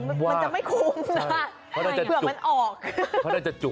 มันจะไม่คุ้มน่ะเผื่อมันออกกลับให้ถูกเค้าได้จะจุก